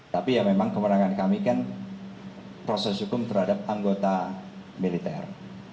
tapi ya memang kewenangan kami kan proses hukum terhadap anggota militer